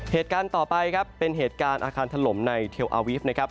เหตุการณ์ต่อไปเป็นเหตุการณ์อาคารถล่มในเทียวอวิฌ